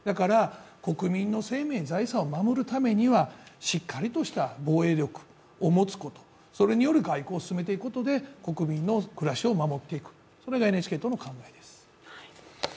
国民の生命、財産を守るためにはしっかりとした防衛力を持つことそれによる外交を進めていくことで国民の暮らしを守っていく、それがＮＨＫ党の考えです。